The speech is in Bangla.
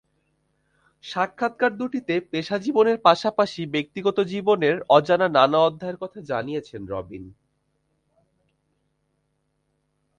সাক্ষাৎকার দুটিতে পেশাজীবনের পাশাপাশি ব্যক্তিগত জীবনের অজানা নানা অধ্যায়ের কথা জানিয়েছেন রবিন।